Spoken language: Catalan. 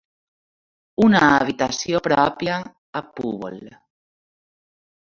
Una habitació pròpia a Púbol.